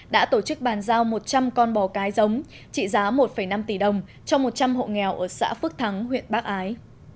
đã tổ chức bàn giao một trăm linh con bò cái giống trị giá một năm tỷ đồng cho một trăm linh hộ nghèo ở xã phước thắng huyện bắc ái